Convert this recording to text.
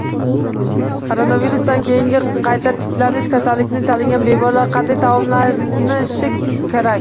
Koronavirusdan keyingi qayta tiklanish: kasallikka chalingan bemorlar qanday taomlanishi kerak?